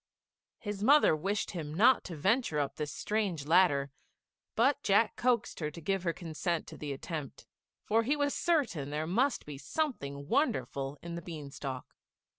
His mother wished him not to venture up this strange ladder, but Jack coaxed her to give her consent to the attempt, for he was certain there must be something wonderful in the bean stalk.